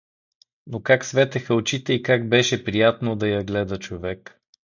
Но как светеха очите и как беше приятно да я гледа човек.